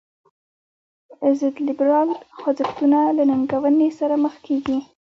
ضد لیبرال خوځښتونه له ننګونې سره مخ کیږي.